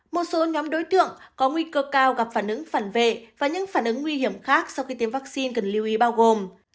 một số nhóm đối tượng có nguy cơ cao gặp phản ứng phản vệ và những phản ứng nguy hiểm khác sau khi tiêm vaccine cần lưu ý bao gồm